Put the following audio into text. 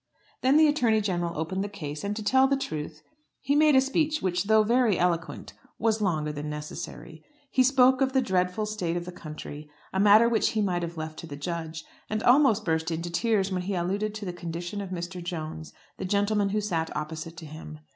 Then the Attorney General opened the case, and to tell the truth, he made a speech which though very eloquent, was longer than necessary. He spoke of the dreadful state of the country, a matter which he might have left to the judge, and almost burst into tears when he alluded to the condition of Mr. Jones, the gentleman who sat opposite to him.